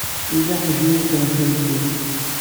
Yella ḥedd i yukren tiremt-iw.